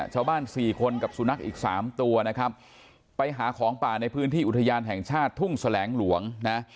ชาวบ้านสี่คนกับสุนัขอีกสามตัวนะครับไปหาของป่าในพื้นที่อุทยานแห่งชาติทุ่งแสลงหลวงนะ